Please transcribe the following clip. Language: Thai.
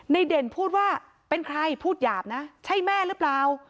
เด่นพูดว่าเป็นใครพูดหยาบนะใช่แม่หรือเปล่า